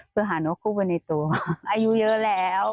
คือหานกคู่ไปในตัวอายุเยอะแล้ว